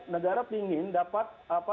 negara pingin dapat